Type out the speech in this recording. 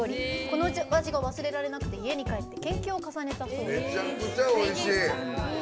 この味が忘れられなくて研究を重ねたそうです。